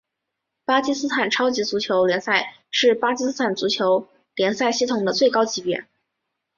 巴基斯坦超级足球联赛是巴基斯坦足球联赛系统的最高级别。